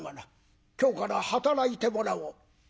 今日から働いてもらおう」。